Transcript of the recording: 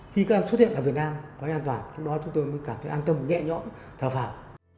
khi các em xuất hiện ở việt nam ở nơi an toàn lúc đó chúng tôi mới cảm thấy an tâm nhẹ nhõn thở vào